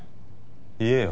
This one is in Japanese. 言えよ。